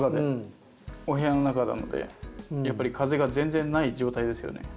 お部屋の中なのでやっぱり風が全然ない状態ですよね。